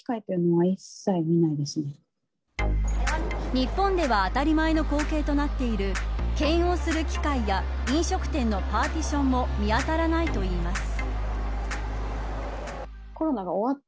日本では当たり前の光景となっている検温する機械や飲食店のパーティションも見当たらないといいます。